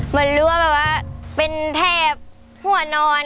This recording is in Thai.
มันรั่วแบบว่าเป็นแทบหัวนอน